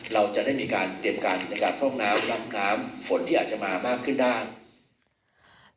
เราจะได้มีการเตรียมการในการพร่องน้ำรับน้ำฝนที่อาจจะมามากขึ้นได้